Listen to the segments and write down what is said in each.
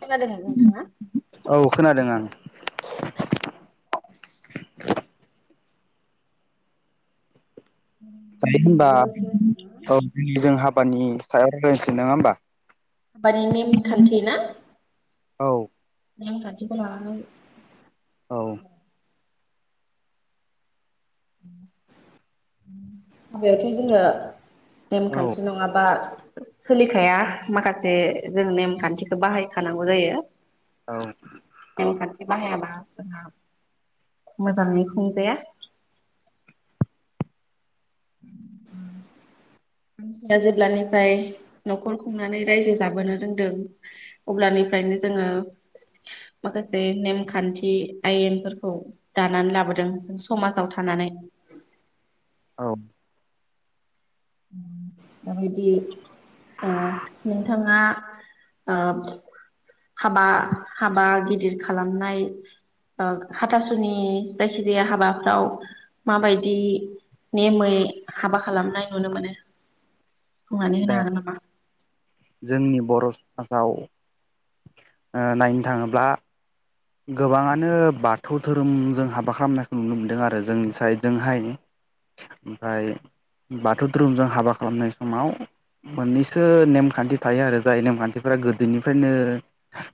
खोनादों नोंथाङा? औ खोनादों आं [inaudible] औ होनबा बिदिब्ला जोंहा जोंहाब हानि सायाव रायलायसै नङा होनोमबा? बानाननि नेम खान्थिना? औ नेमखानथिखौ लानानै औ हाबायावथ' जोंहा नेमखान्थि नङाबा सोलिखाया माखासे जों नेमखान्थिखौ बाहायखानांगौ जायो। औ नेमखान्थि बाहायाबा मोजाङै खुंजाया औ मानसिया जेब्लानिफ्राय नखर खुंनानै रायजो जाबोनो रोंदों अब्लानिफ्रायनो जोङो माखासे नेमखान्थि आयेनफोरखौ दानानै लाबोदों जों समाजाव थानानै। औ दाबदि ओ नोंथाङा ओ हाबा हाबा गिदिर खालामनाय ओ हाथासुनि जायखिजाया हाबाफ्राव माबायदि नेमै हाबा खालामनाय नुनो मोनो। बुंनानै दा होनोन आरो नामा? जोंनि बर समाजाव ओ नायनो थाङोब्ला गोबाङानो बाथौ धोरोमजों हाबा खालामनायखौ नुनो मोनदों आरो जोंनि साइडजोंहाय ओमफ्राय बाथौ धोरोमजों हाबा खालामनाय समाव मोननैसो नेमखान्थि थायो आरो जाय नेमखान्थिफोरा गोदोनिफ्रायनो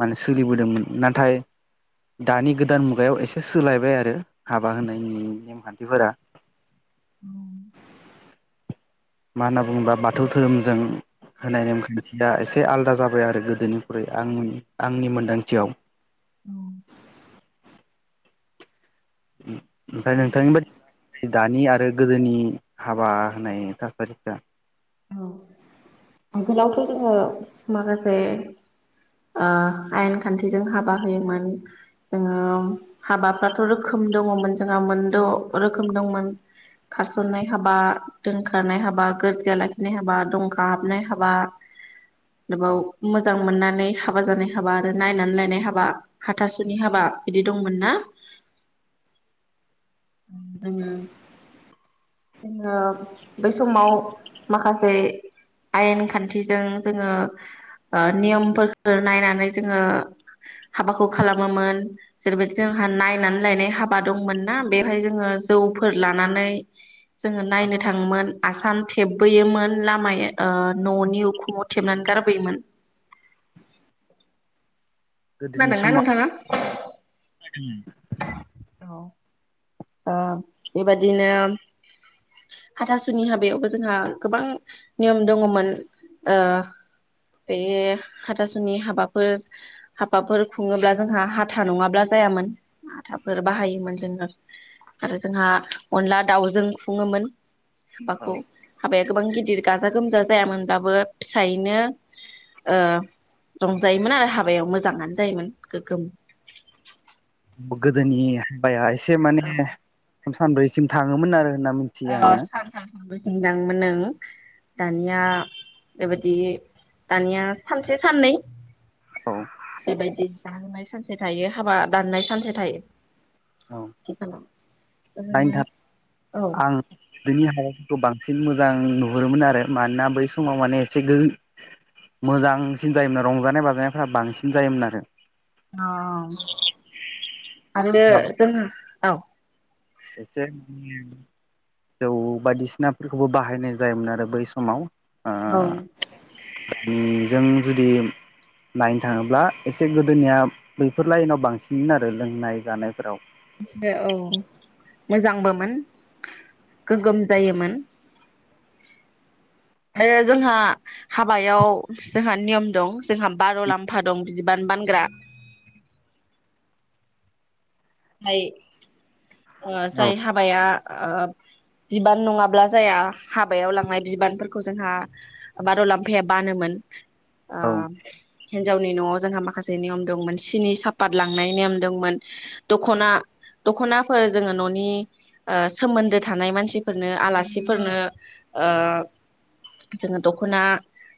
माने सोलिबोदोंमोन नाथाय दानि गोदान मुगायाव एसे सोलायबाय आरो हाबा होनायनि नेमखान्थिफोरा। मा होनना बुङोबा बाथौ धोरोमजों होनाय नेमखान्थिया एसे आलादा जाबाय आरो गोदोनिख्रुइ आं आंनि मोन्दांथियाव। औ ओमफ्राय नोंथांनि बदिबा दानि आरो गोदोनि हाबा होनाय थासारिफ्रा औ आगोलावथ जोङो माखासे आयेन खान्थिजों हाबा होयोमोन जोङो हाबाफ्राथ रोखोम दङमोन जोंहा मोनद रोखोम दंमोन खारसननाय हाबा, दोनखनाय हाबा, गोरजिया लाखिनाय हाबा, दंखा हाबनाय हाबा आरोबाउ औ मोजां मोननाय नै हाबा जानाय हाबा आरो नायनानै लायनाय हाबा हाथासुनि हाबा बिदि दंमोन ना? उम जोङो बै समाव माखासे आयेन खान्थिजों जोङो ओ नियमफोरखौ नायनानै जोङो हाबाखौ खालामोमोन। जेरैबायदि जोंहा नायनानै लायनाय हाबा दंमोन ना बेवहाय जोङो जौफोर लानानै जोङो नायनो थाङोमोन। आसान थेबबोयोमोन लामाया ओ न'नि उखुमाव थेबनानै गारबोयोमोन। गोदोनि खोनादोंना समाव नोंथाङा? औ। ओ बेबादिनो हाथासुनि हाबायावबो जोंहा गोबां नियम दङ'मोन। ओ बे हाथासुनि हाबाफोर हाबाफोर खुङोब्ला जोंहा हाथा नङाब्ला जायामोन हाथाफोर बाहायोमोन जोङो। आरो जोंहा अनला दाउजों खुङोमोन। हाबाखौ। हाबाया गोबां गिदिर गाजा गोमजा जायामोनब्लाबो फिसायैनो ओ रंजायोमोन आरो हाबायाव मोजाङानो जायोमोन गोगोम। गोदोनि हाबाया एसे माने औ सानब्रैसिम थाङोमोन आरो होनना मिथियो ओ आङो। [unintelligible] दानिया बेबायदि दानिया सानसे साननै औ। बेबायदि जाहोनाय सानसे थायो हाबा दाननाय सानसे थायो। औ। आथिखालाव ओरैनो नायनोथा औ [inaudible] आं बिनि हाबाफोरखौ बां बांसिन मोजां नुहुरोमोन आरो मानोना बै समाव माने एसे गो मोजांसिन जायोमोन रंजानाय बाजानायफ्रा बांसिन जायोमोन आरो। अ आरो जोङो औ। एसे माने जौ बायदिसिनाफोरखौबो बाहायनाय जायोमोन आरो बै समाव। औ। ओ जों जुदि नायनो थाङोब्ला एसे गोदोनिया बैफोर लाइनाव बांसिन आरो लोंनाय जानायफोराव। औ मोजांबोमोन गोगोम जायोमोन। ओ जोंहा हाबायाव जोंहा नियम दं। जोंहा बार' लाम्फा दं। बिबान बानग्रा फाय औ जाय हाबाया ओ बिबान नङाब्ला जाया हाबायाव लांनाय बिबानफोरखौ जोंहा बारुलाम्फाया बानोमोन। ओ औ। हिनजावनि न'आव जोंहा माखासे नियम दंमोन सिनि साफात लांनाय नियम दंमोन दख'ना दख'ना फोर जोङो न'नि ओ सोमोन्दो थानाय मानसिफोरनो आलासिफोरनो ओ जोङो दख'ना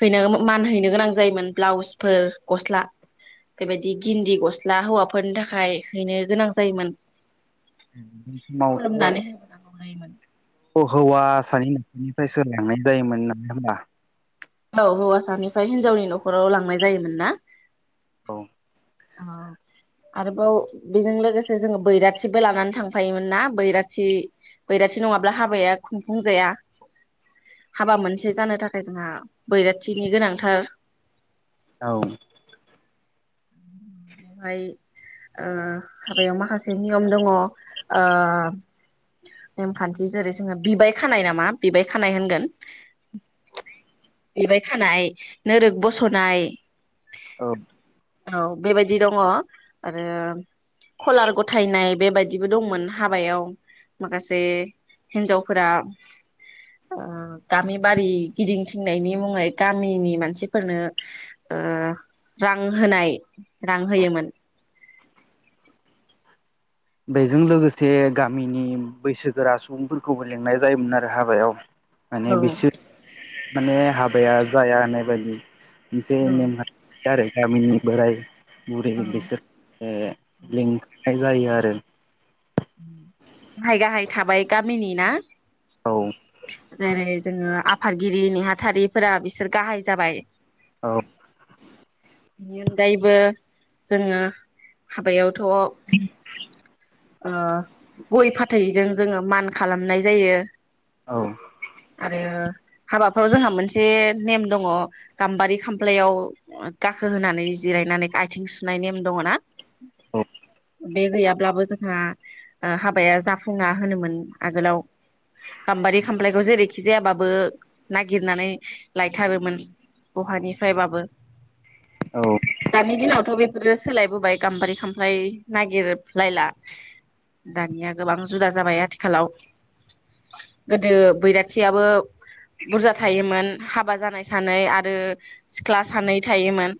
हैनो मान हैैनो गोनां जायोमोन ब्लाउसफोर गस्ला बेबायदि गिन्दि गस्ला हौवाफोरनि थाखाय हैनो गोनां जायोमोन। समावथ'। खुलुमनानै होबोनांगौ जायोमोन अ हौवा सानि न'खरनिफ्रायसो लांनाय जायोमोन नालाय होनबा। औ हौवासानिफ्राय हिनजावनि न'खराव लांनाय जायोमोन ना। औ औ। आरोबाव बेजों लोगोसे जोङो बैराथिबो लानानै थांफायोमोन ना बैराथि बैराथि नङाब्ला हाबाया खुंफुं जाया। हाबा मोनसे जानो थाखाय जोंहा बैराथिनि गोनांथार। औ। बेवहाय ओ हाबायाव माखासे नियम दङ ओ नेमखान्थि जेरै जोङो बिबाय खानाय नामा बिबाय खानाय होनगोन। बिबाय खानाय, नोरोग बस'नाय। औ। औ बेबायदि। बिदि दङ आरो कलार गथायनाय बेबायदिबो दंमोन हाबायाव माखासे हिन्जावफोरा ओ गामि बारि गिदिंथिंनायनि मुङै गामिनि मानसिफोरनो ओ रां होनाय। रां होयोमोन। बेजों लोगोसे गामिनि बैसोगोरा सुबुंफोरखौबो लेंनाय जायोमोन आरो हाबायाव। माने बिसोर माने हाबाया जाया होननाय बायदि। जे मेम्बार आरो गामिनि बोराय बुरि बिसोर ओ लिं फाय जायो आरो। [inaudible] गाहाय गाहाय थाबाय गामिनि ना। औ। जेरै जोङो आफादगिरि नेहाथारिफोरा बिसोर गाहाय जाबाय। औ। बेनि अनगायैबो जोङो हाबायाव थ' ओ गय फाथैजों जोङो मान खालामनाय जायो। औ। आरो हाबाफ्राव जोंहा मोनसे नेम दङ गाम्बारि खामफ्लायाव गाखो होनानै जिरायनानै आथिं सुनाय नेम दङ ना बे गैयाब्लाबो जोंहा ओ हाबाया जाफुङा होनोमोन आगोलाव गाम्बारि खामफ्लायखौ जेरैखि जायाबाबो नागिरनानै लायथारोमोन बहानिफ्रायबाबो। औ दानि दिनावथ' बेफोरो सोलायबोबाय गाम्बारि खामफ्लाय नागिरलायला। दानिया गोबां जुदा जाबाय आथिखालाव। गोदो बैराथियाबो बुरजा थायोमोन हाबा जानाय सानै आरो सिख्ला सानै थायोमोन।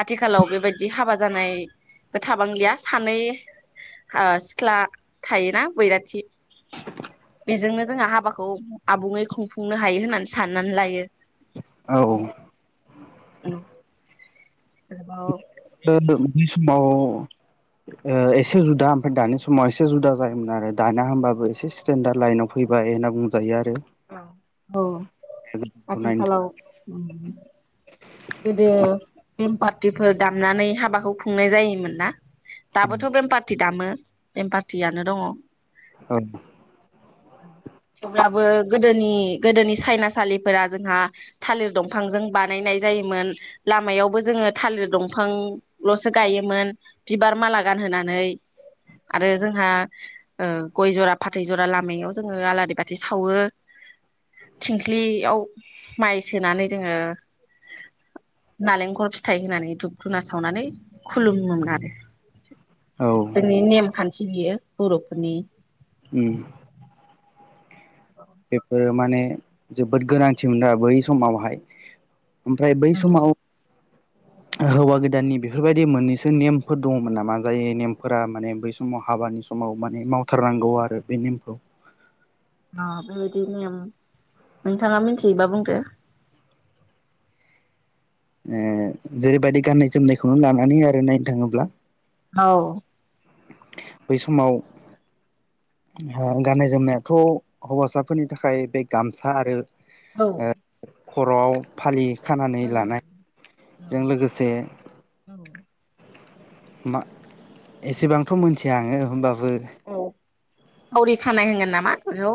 आथिखालाव बेबायदि हाबा जानायबो थाबांलिया सानै ओ सिख्ला थायोना बैराथि बेजोंनो जोंहा हाबाखौ आबुङै खुंफुंनो हायो होननानै साननानै लायो। औ। औ [unintelligible] [unintelligible] समाव ओ एसे जुदा ओमफाय दानि समाव एसे जुदा जायोमोन आरो दाना होमबाबो एसे स्टेेनडार्द लाइनाव फैबाय होनना बुंजायो आरो। औ औ। नायनो आथिखालाव उम गोदो बेम पार्टिफोर दामनानै हाबाखौ खुंनाय जायोमोन ना? दाबोथ' थाखाय बेमपारथि दामो। बेमपारटियानो दङ। औ। थेवब्लाबो गोदोनि गोदोनि सायनासालिफोरा जोंहा थालिर दंफांजों बानायनाय जायोमोन लामायावबो जोङो थालिर दंफांल'सो गायोमोन बिबार माला गानहोनानै आरो जोंहा ओ गय जरा फाथै जरा लामायाव जोङो आलारि बाथि सावो। थिंख्लिआव माइ सोनानै जोङो नालेंखर फिथाइ होनानै धुप धुना सावनानै खुलुमोमोन आरो। औ जोंनि नेम खान्थि बेयो बर'फोरनि। उम। बेेफोर माने जोबोद गोनांथिमोन आरो बै समावहाय ओमफ्राय बै समाव हौवा गोदाननि बेफोरबायदि मोननैसो नेमफोर दङमोन नामा जाय नेमफोरा माने बै समाव हाबानि समाव माने मावथारनांगौ आरो बे नेमखौ। अह बेबायदि नेम नोंथाङा मिथियोबा बुंदो। ओ जेरैबायदि गाननाय जोमनायखौनो लानानै आरो नायनो थाङोब्ला औ। बै समाव गाननाय जोमनायाथ' हौवासाफोरनि थाखाय बे गामसा आरो औ। खर'आव फालि खानानै लानायजों लोगोसे मा एसेबांथ' मोनथिया आङो होमबाबो [unintelligible] फावरि खानाय होनगोन नामा बेखौ।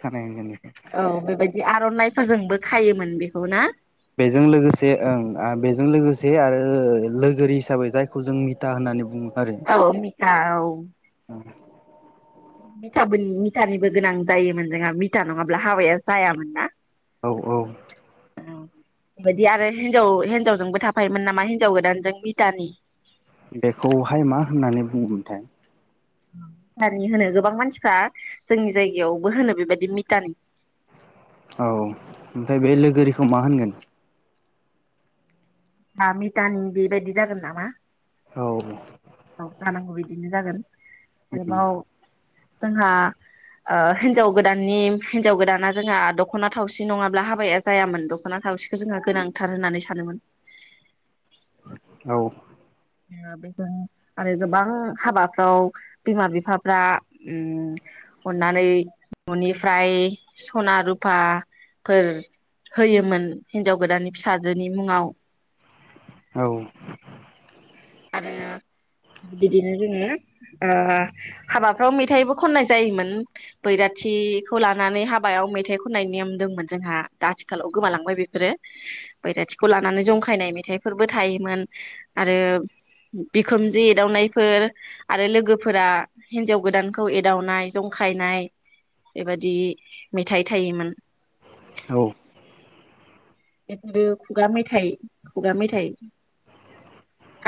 खानाय होनगोन बेखौ औ बेबायदि आर'नाइ सोरजोंबो खायोमोन बेखौ ना? बेजों लोगोसे ओं बेजों लोगोसे आरो लोगोरि हिसाबै जायखौ जों मिटा होननानै बुङो। आरो औ‌ मिटा औ। [unintelligible] मिटाबो मिथानिबो गोनां जायोमोन जोंहा मिटा नङाब्ला हाबाया जायामोन ना? औ औ। बेदि आरो हिनजाव हिनजावजोंबो थाफायोमोन नामा हिनजाव गोदानजों मिटानि। बेखौहाय मा होननानै बुंगोनथाय? मिटानि होनो गोबां मानसिफ्रा जोंनि जायगायावबो होनो बेबायदि मिटानि। औ ओमफ्राय बे लोगोरि खौ मा होनगोन? दा मिटानि बेबायदि जागोन नामा? औ। औ जानांगौ बिदिनो जागोन। आरोबाव जोंहा ओ हिनजाव गोदाननि हिनजाव गोदाना जोंहा दख'ना थावसि नङाब्ला हाबाया जायामोन दख'ना थावसिखौ जोंहा गोनांथार होननानै सानोमोन। औ। बेजों आरो गोबां हाबाफ्राव बिमा बिफाफ्रा उम अननानै न'निफ्राय सना रुफा फोर होयोमोन हिनजाव गोदाननि फिसाजोनि मुङाव। औ। आरो बिदिनो जोङो ओ हाबाफ्राव मेथाइबो खननाय जायोमोन बैराथिखौ लानानै हाबायाव मेथाइ खननायनि नियम दंमोन जोंहा दा आथिखालाव गोमालांबाय बेफोरो बैराथिखौ लानानै जंखायनाय मेथाइफोरबो थायोमोन आरो बिखोमजो एदावनायफोर आरो लोगोफोरा हिनजाव गोदानखौ एदावनाय जंखायनाय बेबादि मेथाइ थायोमोन। औ। [unintelligible] खुगा मेथाइ-खुगा मेथाइ।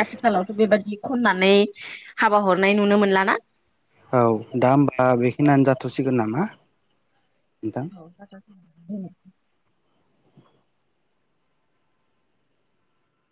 आथिखालावथ' बेबादि खननानै हाबा हरनाय नुनो मोनलाना? औ दा होमबा बेखिनियानो जाथ'सिगोन नामा? नोंथां? औ जाथ'सिगोन। [unintelligible]